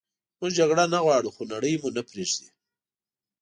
موږ جګړه نه غواړو خو نړئ مو نه پریږدي